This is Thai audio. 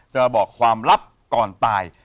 จะบอกความลับก่อนตาย